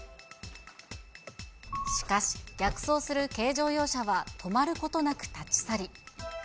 しかし、逆走する軽乗用車は止まることなく立ち去り。